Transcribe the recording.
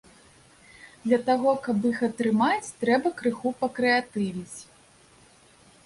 Для таго, каб іх атрымаць, трэба крыху пакрэатывіць!